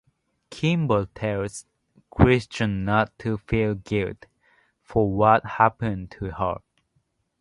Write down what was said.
Kimber tells Christian not to feel guilt for what happened to her.